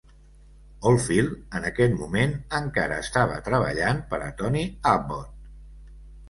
Oldfield, en aquest moment, encara estava treballant per a Tony Abbott.